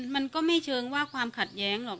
มันก็ไม่เชิงว่าความขัดแย้งหรอก